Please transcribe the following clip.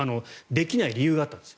できない理由があったんです。